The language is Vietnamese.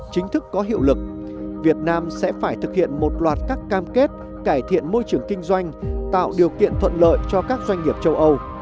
chính thức có hiệu lực việt nam sẽ phải thực hiện một loạt các cam kết cải thiện môi trường kinh doanh tạo điều kiện thuận lợi cho các doanh nghiệp châu âu